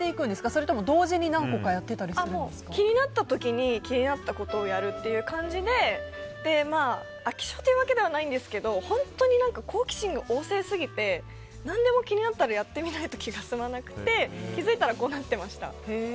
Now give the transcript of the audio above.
それとも同時に気になった時に気になったことをやるという感じで飽き性というわけではないんですが、好奇心が旺盛すぎて、何でも気になったらやってみないと気が済まなくて気づいたらこうなっていました。